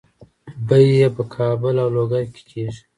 بیحي په کابل او لوګر کې کیږي.